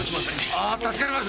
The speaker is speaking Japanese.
ああ助かります。